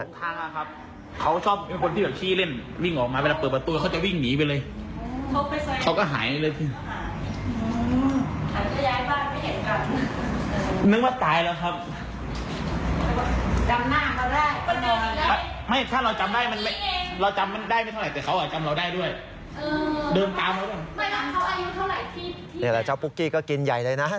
นี่แหละเจ้าปุ๊กกี้ก็กินใหญ่เลยนะ